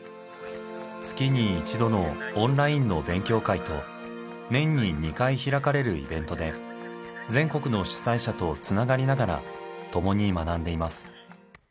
月に一度のオンラインの勉強会と年に２回開かれるイベントで全国の主宰者とつながりながら共に学んでいます。